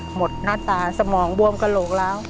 หน้าตาสมองบวมกระโหลกล้าว